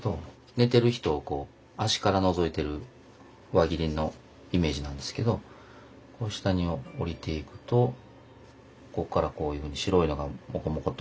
寝てる人を足からのぞいてる輪切りのイメージなんですけど下におりていくとこっからこういうふうに白いのがモコモコと。